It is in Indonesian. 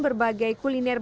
berat atau enak